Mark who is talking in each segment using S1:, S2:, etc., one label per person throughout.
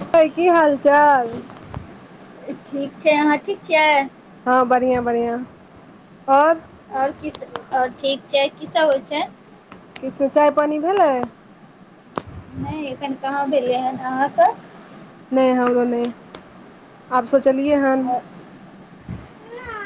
S1: त की हाल चाल
S2: ठीक छै अहाँ ठीक छियै
S1: हँ बढ़िआ बढ़िआ आओर
S2: आओर की आओर ठीक छै कीसभ होइ छै
S1: किछु चाय पानि भेलै
S2: नहि एखन कहाँ भेलियै हन अहाँक
S1: नै हमरो नै आब सोचलियए हन
S2: आओर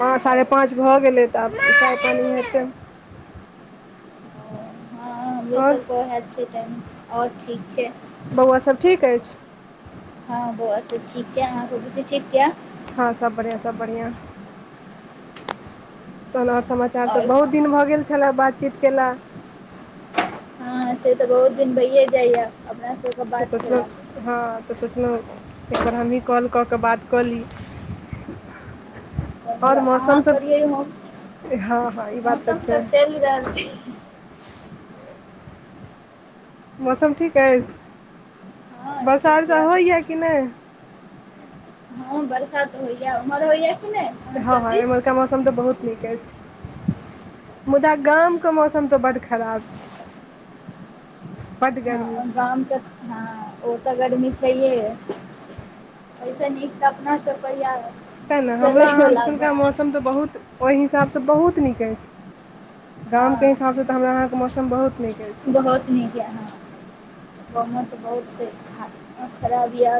S1: हँ साढ़े पाँच भऽ गेलै तऽ आब चाय पानि हेतै
S2: हँ हमरो
S1: आओर
S2: सबके वहै छै टाइम ओर ठीक छै
S1: बौआ सब ठीक अछि
S2: हँ बौआ ठीक छै अहाँ के ठीक यऽ
S1: हँ सब बढ़िआँ सब बढ़िआँ तहन ओर समाचार सब
S2: आओर
S1: बहुत दिन भऽ गेल छला बातचीत केला
S2: हँ से तऽ बहुत दिन भैयए जाइया अपना सबके
S1: तऽ
S2: बात
S1: सोचल
S2: केला
S1: हँ तऽ सोचलहु एकबेर हमही कॉल कऽ कऽ बात कऽ ली आओर
S2: अहाँ
S1: मौसमसभ
S2: करियै हो
S1: हँ हँ ई बात तऽ
S2: मौसम
S1: छै
S2: सब चलि रहल छै
S1: मौसम ठीक
S2: हँ
S1: अछि बरसा
S2: ठीक
S1: अरसा
S2: यऽ
S1: होइया कि नहि
S2: हँ बरसा त होइया उमर होइया
S1: हँ हँ एमहरका मौसम तऽ बहुत नीक अछि मुदा गामके मौसम तऽ बड्ड खराब छै बड्ड गर्मी
S2: हँ
S1: छै
S2: गाम त हँ ओ तऽ गर्मी छैहे ओइसे नीक तऽ अपना सबके या
S1: तै ने हमरा अहाँ दिसनका मौसम तऽ बहुत ओहि हिसाबसँ बहुत नीक अछि गामके
S2: हँ
S1: हिसाबसँ तऽ हमरा अहाँके मौसम बहुत नीक अछि [unintelligible]
S2: ब तऽ बहुत खराब य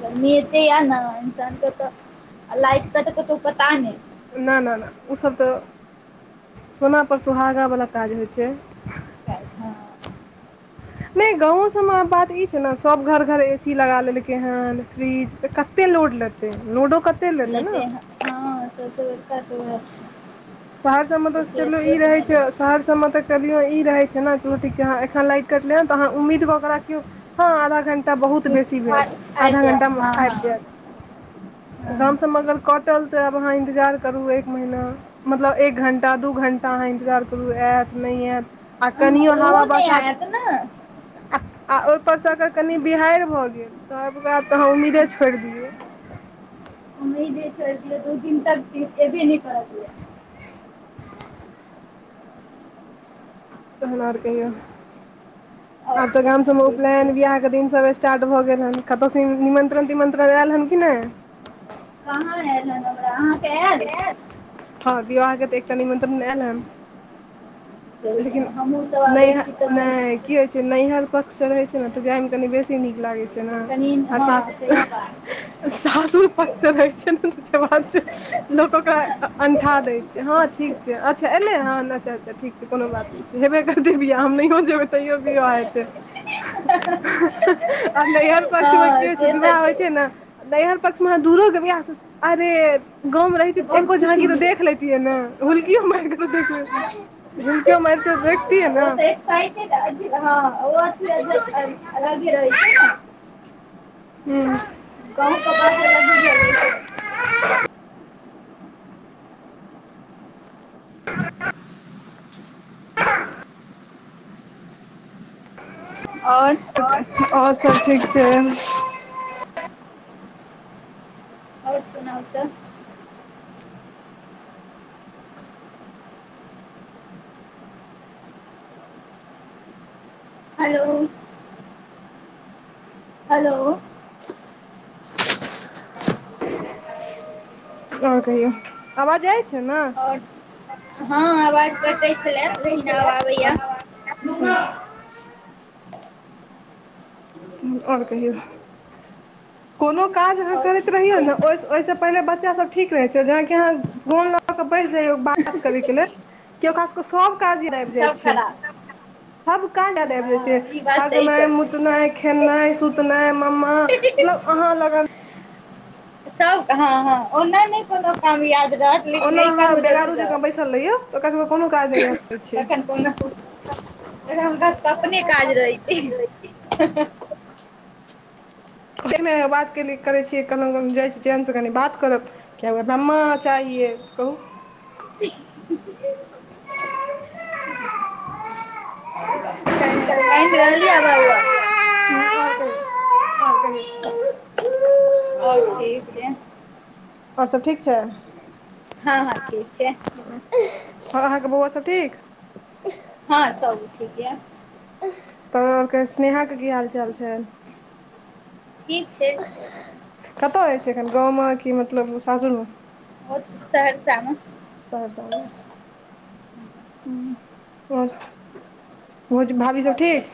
S2: गर्मी एतै य ने इन्सानके तऽ [unintelligible] आ लाइक क तऽ क तऽ पता नै
S1: नऽ नऽ नऽ उ सब तऽ सोनापर सुहागावला काज होइ छै
S2: हँ [unintelligible]
S1: नै गाँवो सबमे बात ई छै ने सब घर घर एसी लगा लेलकै हन फ्रिज तऽ कते लोड लत्तै लोडोे
S2: ते हँ सब त बड़का त बात छै [unintelligible]
S1: सहरसबमे तऽ
S2: ओते
S1: चलो
S2: अथियो
S1: ई
S2: तऽ
S1: रहे
S2: नहि
S1: छै
S2: रहै
S1: सहर सब मे तऽ करियो ई रहै छै ने चलु ठीक छै एखन लाइट कटले ह तऽह उम्मीद क के राखियौ ह आधा घंटा एत्तऽ बहु बेसी यै
S2: आबि
S1: आधा
S2: जायत
S1: घंटामे
S2: हँ
S1: आबि
S2: हँ
S1: जाइत गामसबमे अगर कटल तऽ आब अहाँ इन्तजार करू एक महीना मतलब एक घण्टा दू घण्टा अहा इन्तजार करू एत नै एत आ
S2: हँ
S1: कनियो
S2: ओहो
S1: हाबा
S2: नहि
S1: बसात
S2: आयत ने
S1: आ ओहिपरसँ अगर कनि बिहड़ि भऽ गेल तऽब तऽ अहा उम्मीदे छोड़ि दियौ [unintelligible]
S2: छोइर दियौ त दू दिन तक दु दिन तक एबे नै करत
S1: तहन आर कहियौ
S2: आओर
S1: आब तऽ
S2: से
S1: गाम सबमे
S2: ठीक छै
S1: उपनयन बियाह के दिन सब स्टार्ट भऽ गेल ह कतहुसँ निमन्त्रण तिमन्त्रण आयल हन कि नै
S2: कहाँ आ जाना बड़ा अहाँ [unintelligible]
S1: हँ वियाह के तऽ एकटा निमंत्रण आयल हन
S2: हमहुँ सब
S1: नै
S2: आबै
S1: ह
S2: छी
S1: नै
S2: तखन
S1: की होइ छै नैहर पक्ष से रहै छै ने तऽ जाइमे कनि बेसी नीक लागै छै ने
S2: कनि
S1: आ
S2: हँ
S1: सा
S2: सही बात
S1: सासुर पक्ष से रहै छै ने जे बात छै लोक ओकरा अंठा दै छैय ठीक छै अछे एलै हन अछे अछे ठीक हेबे करतै बियाह हम नैहों जेबै तैयओ बियाह हेतै आब नैहर पक्ष मे की
S2: हँ
S1: होइ छैय,
S2: से
S1: विवाह
S2: तऽ
S1: होइ
S2: छै
S1: छैय ने नैहर पकना दूर हो भी अस आ [unintelligible] गाँवमे रहितिियै तऽ एक्को
S2: बहुत
S1: झाँकी
S2: खुशी
S1: तऽ देख
S2: मिलत
S1: लेतियै ने हुल्कियो माइर के देखे
S2: हँ
S1: लैतियै हु मर त व्यक्ति ह ने [unintelligible]
S2: ओ तऽ एक्साइटेड हँ ओ अथी अऽ अलगे रहै छै ने
S1: हू [unintelligible]
S2: गाँव कऽ बात अलगे भऽ जाइ छै आउर
S1: सभ ठीक छैय
S2: आउर सुनाउ तऽ हेलो हेलो
S1: [inaudible] आउर कहियौ आवाज जाइ छै ने
S2: ह आवाज कटै छले लेकिन आब आबैया
S1: आ [unintelligible] और कहियौ कोनो काज अहा
S2: आओर
S1: करैत
S2: ठीक
S1: रहियो
S2: छै
S1: ने ओइ ओहिसे पहिले बच्चास सभ ठीक रहै छै जे कि अहा फोन लऽ कऽ बैस जाइयौ बात करैके लेल के ओकरा सबके सब काज याद आबि जाइ
S2: सब
S1: छैय
S2: खराब
S1: सब कांड याद आबि जाय छैय
S2: हँ ई बात सही
S1: हगनाइ
S2: कह
S1: मुतनाइ खेनाइ सुतनाइ मम्मा ह लगल
S2: सब ह ह ओना ने कोनो काम याद रहत लेकिन
S1: ओना
S2: अए कान
S1: अहाँ
S2: मे जरूर
S1: बेगारू
S2: रहत
S1: जकाँ बैसल रहियौ तऽ ओकरा सभके कोनो काज नहि याद रहै छै
S2: हम बस अपने काज रहै छी
S1: काज रहै क बात करै छीियै कलहुँ कल जाइ छी चेहन से कनि बात करब कििया मा चाही किए कहू
S2: [unintelligible]
S1: [unintelligible]
S2: त काइन रहल य बउआ
S1: ह कहिय आ कहियौ
S2: और ठीक छियय
S1: ओर सब ठीक छै
S2: हँ हँ ठीक छै
S1: हँ अहाँके बौआ सब ठीक
S2: हँ सब ठीक य
S1: तऽ आओकर स्नेहाके की हालचाल छै
S2: ठीक छै
S1: कतय अछि एखन गाँवमे कि मतलब सासुरमे
S2: ओ सहरसामे
S1: सरसाम ह आओर पुच भाभी सब ठीक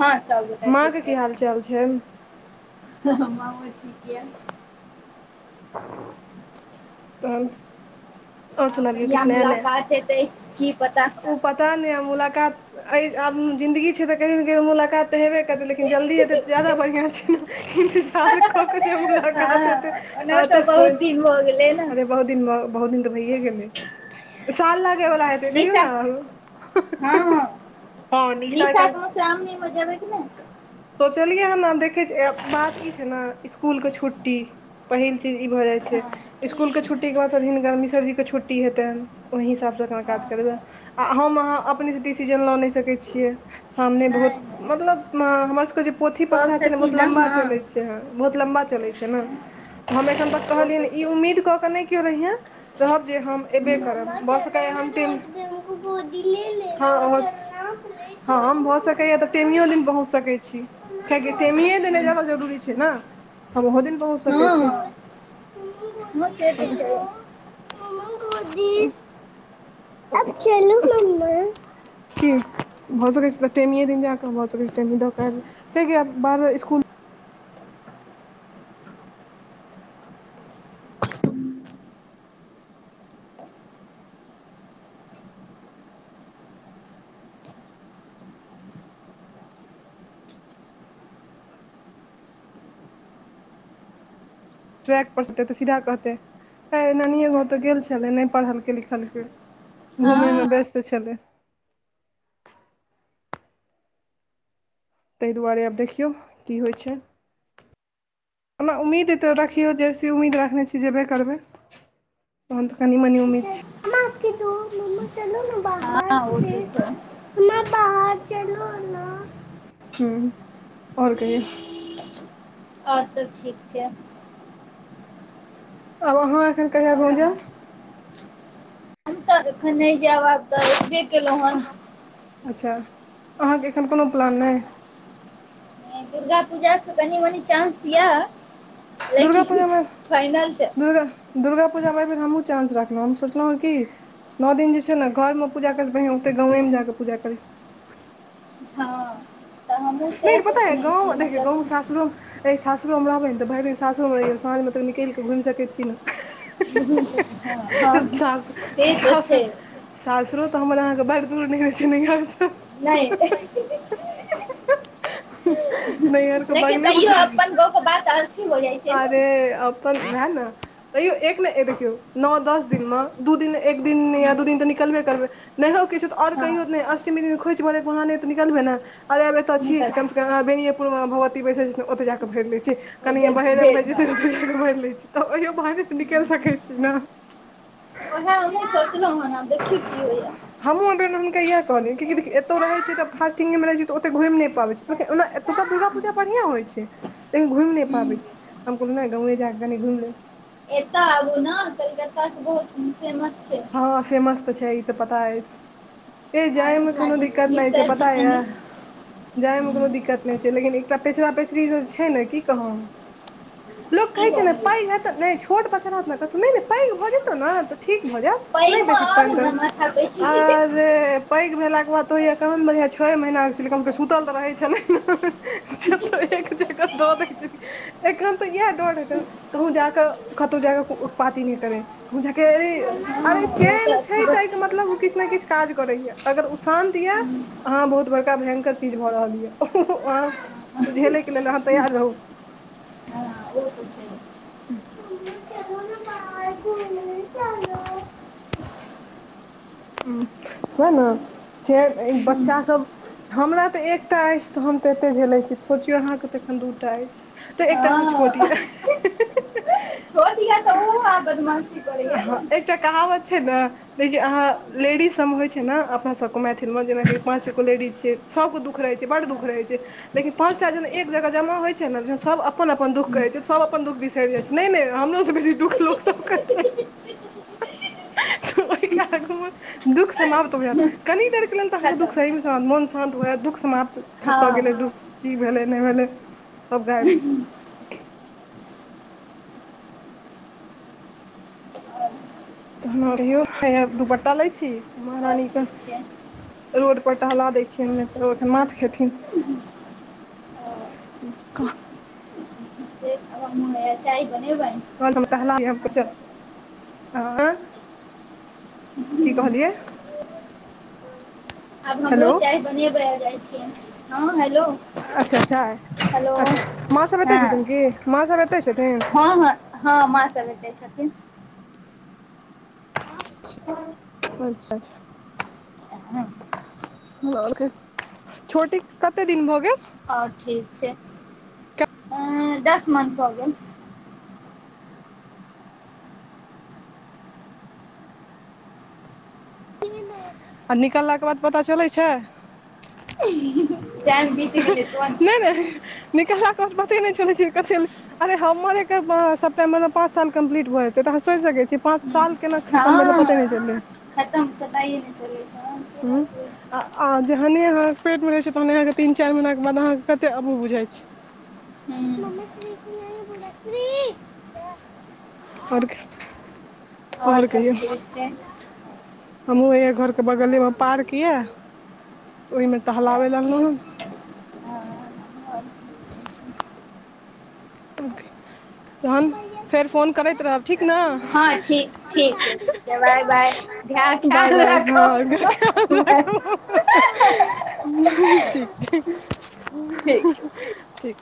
S2: हँ सबगोटा
S1: माँ के की हाल चाल छैन
S2: ह ह माँओं ठीक य
S1: तब ओर
S2: आब
S1: सुनाबियौ
S2: कहिया
S1: किछ नया नया
S2: मुलाकात हेतै की पता
S1: ओ पता नै मुलाकात आब जिंदगी छै तऽ कहियो नै कहियो मुलाकातऽ हेबे करतै लेकिन जल्दी हेते तऽ जादा बढ़िया इंतज़ार क के जे मुलाकात हेतै
S2: हँ ओना तऽ बहुत दिन हो गेलै ने
S1: अरे बहुत दिन बहुत दिन तऽ भैए गेलै साल ल बला हेत कहियउ
S2: निशा
S1: न आहूं
S2: निशा के मधुश्रावनी में जेबै कि नहि
S1: सोचलियै हन आब देखैत छियय बात ई छै ने इसकुलके छुट्टी पहिल चीज ई भऽ जाइ
S2: हँ
S1: इसकुलके छुट्टे बाद हिनकर मिसर जीके छुट्टी हेतनि ओहि हिसाबसँ करा काज
S2: हँ
S1: करबै आहम आहाँ अपने सं डिसिजन ल नै सकैत घियय सामने
S2: नहि
S1: बहुत
S2: नहि
S1: मतलब हमर ओकर जे पोथी
S2: सभ
S1: पत्रा छै ने बहुत
S2: छथिन
S1: लमबा
S2: हँ
S1: चले छै बहुत लम्बा चले छै ने हम एखन तक
S2: ओ
S1: कहलियै
S2: तऽ
S1: ई
S2: छै
S1: उम्मीद कऽ के नहि केओ रहिेयें रहब जे हम एबे करब भ सकैत [inaudible] ह हम भऽ सकैया तऽ टेमियो दिन पहुँच सकै छि किआकी टेमिय देनाय ज्यादा जरुरी छै ने हम ओहो दिन पहुँच सकै छी
S2: ह से तऽ छै
S1: गोदि अब चलू मम्मा कि भ सकै छै तऽ टेमिए दिन जााकऽ भऽत सकै छै टेमि दऽ कऽ आइब जायब कियाकी आब बार बार इसकुल ट्रैक पर से एतै तऽ सीधा कहतै हे नानिए गाँव तऽ गेल छलै नहि पढ़लकै लिखलकै
S2: हँ
S1: घुमयमे व्यस्त छलै ताहि दुआरे आब देखियौ की होइ छै ओना उम्मीद अतऽ रखियउ बेसी उम्मीद रखने छी जेबे करबै तहन त कनि मनी उम्मीद छै मम्मा चलो न बाहर
S2: हँ ओ त
S1: प्लीज
S2: छै
S1: मम्मा बाहर चलो न हूँ और कहियो
S2: ओर सब ठीक छै
S1: आब अहाँ एखन कहिया
S2: आओर
S1: गाँव
S2: अहाँ
S1: जेब
S2: सब? हम त एखन नै जेब आब त एबे केलउ हन
S1: अच्छा अहाँके एखन कोनो प्लान नहि
S2: दुर्गा पूजाक कनी मनी चान्स य
S1: दुर्गा
S2: लेकिन
S1: पूजामे
S2: फाइनल त
S1: दुर्गा दुर्गा पूजामेब एहि बेर हमहूँ चान्स रखलहुँ हम सचलहुँ ह कि नौ दिन जे छै ने घरमे पूजा करै छै बहि ओते गाँवेमे जा क पूजा करी
S2: हँ तऽ हमहूँ सएह
S1: नहि पता है
S2: सोचने छी
S1: गाँ देखिय गाँ
S2: मतलब
S1: सासुरो सासुर सुरमे रहबै न त भरि दिन सासुरमे रहहिए साँझमे तक निकलिक घुमि सकै छी न
S2: घुमि सकै छी हँ हँ
S1: सास
S2: से तऽ छै
S1: सासुर सासुरो त हमर अहाँके बर दुर नैहर छै नैहर छै
S2: नहि
S1: नैहरके
S2: लेकिन
S1: बगलेमे
S2: तैयो
S1: सासुर
S2: अपन गके बात हो जाइ छै ने
S1: अरे अप न वेहा तइयो एकमे ए देखियौ नौ दस दिन म दू दिनलै एक दिन या दू दिन त निक ले करबै नहियो किछु त और
S2: हँ
S1: कहियो नहि अष्टमी दिन खोइच भरे के बहाने त निकलबै न आर आब एत छी
S2: निकल
S1: त कमसकम बेनियेपुर मे भगवती बैसैल छथिन ओत जाक भरि लै छी
S2: ओ जे भेल
S1: [unintelligible]
S2: हँ
S1: त ओहियो बहाने त निकलि सकै छी न
S2: ओएह हमहुँ सोचलहुँ हेन आब देखि की होइया
S1: कहलिय क एत रहै छै ज फास्टिंगमे मे रहै छै त ओत घुमि नहि पाबै छी ओना एत त दुर्गा पूजा बढ़िया हो छै लेकिन घुमि नहि
S2: हूँ
S1: पाबै छी हम कली नहि गाँउवे जाक कनि घुमि लेब
S2: एत आबु न कलकत्ता के बहुत फेमस छै
S1: हँ फेमस त छै ई त पता अछि ह जाय में
S2: आबू झा
S1: कोनो
S2: जी
S1: दिक्कत नहि छै
S2: मिसर
S1: पता
S2: जी
S1: य
S2: संगे
S1: जाय में कोनो
S2: की
S1: दिक्कत नहि लेकिन एकटा पेचरा पेचरी जे छै ने की कहौ लोक कहै छै
S2: भऽ
S1: ने
S2: गेलै
S1: पै हेत नहि छोट बछा होत त पैघ भ जेतौ ने त ठीक भजैत नहि
S2: पैघमे
S1: बेसी
S2: आओर
S1: पैन करु
S2: ने माथा पैची
S1: आर पैग भेला [unintelligible] डर दै एखन त इएह डर होइ छै कहूँ जाक कतहु जाक उतपाती नहि करे झ
S2: हँ
S1: अरे
S2: ओ
S1: चैन
S2: तऽ
S1: छै त
S2: अथी
S1: इ क मतलब किछु ने किछु काज करैय अगर उ शान्त यै
S2: ओ
S1: अहाँ बहुत बड़का भयंकर चीज भ रहल य वहाँ त झेले के लेल अहाँ तैयार रहू
S2: हँ ओ त
S1: मम्मी चलो न बाहर घुमने चलो ह्म वैह न चै इ बच्चासब हमरा त एकटा अछि त हम त एते झेलै छी सोचियौ अहाँके त दुटा अछि त एक त अखन
S2: हँ
S1: छोट यै
S2: छोट य तऽ ओहो आ बदमाशी करैया ने
S1: एकटा कहावत छै ने जे अहाँ लेडीज सम होय छै ने अपना सब क मैथिल में जेनाकी पाँचगो लेडीज छीय सब क दुख रहय छै बड दुख रहय छै लेकिन पाँचटा जन एक जगह जमा होइ छै ने सभ अपन अपन दुख कहै छै सब अपन दुख बिसरि जा इ छै नहि नहि हमरो सब बेसी दुख लोक सब क छै
S2: [inaudible]
S1: त ओहि क आगु म दुख समाप्त होयत कनि देरके लेल त अहाँके
S2: खतम
S1: दुख सही समाप्त मन शान्त होयत दुख समाप्त
S2: हँ
S1: खत गेलै दुख की भेलै नहि भेलै सब गाय
S2: आओर
S1: [unintelligible] दूपट्टा लै छी महारानी
S2: ठीक छै
S1: रोडपर टहला दै छियै नहि त ओ माथ खेथिन क
S2: से आब हमहूँ चाय बनेब
S1: [unintelligible] की कहलियै
S2: आब हमरो
S1: हेलो
S2: चाय बनेबए जाइ छियै हँ हेलो
S1: अच्छा चाय
S2: हेलो
S1: अच्छा माँ सब एतेय
S2: हँ
S1: छथिन कि माँ सब एतेय
S2: हँ हँ हँ माँ सब एतै छथिन
S1: अच्छाच्ा ओ छोटी कते दिन भऽ गेल
S2: हँ ठीक छै अ दस मंथ भऽ गेल
S1: आ निकलला के बाद पता चलै छै
S2: टाइम बीत गेलै तुरन्त
S1: नहि नहि निकला के बाद पते नहि चलै छी क अरे हमर सबटा मे पाँंच साल कम्प्लीटएत सोच सकै छिऐ पाँच
S2: हूँ
S1: साल केना खतम भेलै पतै
S2: हँ
S1: नहि चललै
S2: खतम पताए नहि चलै छै हँ से
S1: ह
S2: बात होइ
S1: आ
S2: छै
S1: आ जहनह पेट मे रहै छै तहन अहाँके तीन चारि महिनना के बाद अहाँके कते अबुह बुझइ छै
S2: हूँ
S1: म श्त क बोी [inaudible] आओर
S2: और
S1: आओर
S2: सब
S1: कहियौ
S2: ठीक छै
S1: हमहूँ एहिए घरके बगले में पार्क यए ओहिमे
S2: हँ
S1: टहलाबय लाए अनलहुँ हन
S2: ठीक हँ हँ
S1: [inaudible] तहन फेर फोन करैत रहब ठीक ने
S2: हँ ठीक ठीक छै ठीक छै बाय बाय
S1: [unintelligible] बाय बाय हँ
S2: नहि
S1: ह ठ ठिक छै
S2: ठिक
S1: ठिक